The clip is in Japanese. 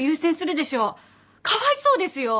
かわいそうですよ。